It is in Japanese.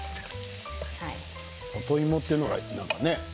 里芋っていうのが、なんかね